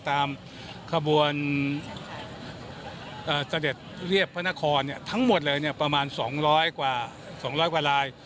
ตามขบวนเสด็จเรียบพระนครทั้งหมดเลยประมาณ๒๐๐กว่า๒๐๐กว่าลาย